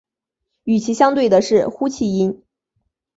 与其相对的是呼气音。